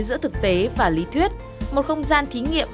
giữa thực tế và lý thuyết một không gian thí nghiệm